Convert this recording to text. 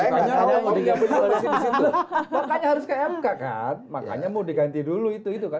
makanya disitu makanya harus ke mk kan makanya mau diganti dulu itu kan